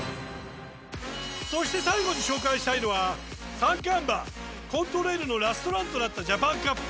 そして最後に紹介したいのは三冠馬コントレイルのラストランとなったジャパンカップ。